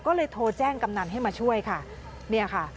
ก็เลยโทรแจ้งกำนันให้มาช่วยค่ะเนี่ยค่ะ